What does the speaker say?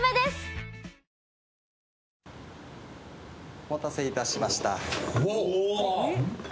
お待たせいたしました。